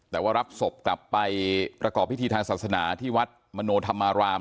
แต่ว่ารับศพกลับไปประกอบพิธีทางศาสนาที่วัดมโนธรรมาราม